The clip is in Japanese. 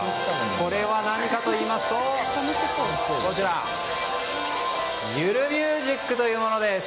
これは何かといいますとゆるミュージックというものです。